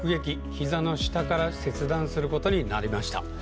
ひざの下から切断することになりました。